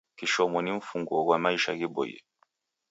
Kishomo ni mfunguo ghwa maisha ghiboie